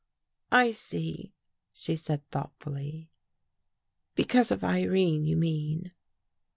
" I see," she said thoughtfully. " Because of Irene, you mean."